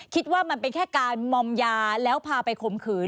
คิดว่ามันเป็นแค่การมอมยาแล้วพาไปข่มขืน